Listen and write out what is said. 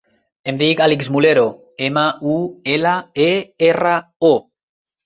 Em dic Alix Mulero: ema, u, ela, e, erra, o.